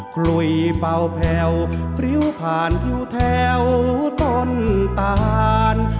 คลุยเป่าแผ่วพริ้วผ่านทิวแถวต้นตาน